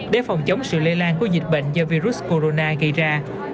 để phòng chống sự lây lan của dịch bệnh do virus corona gây ra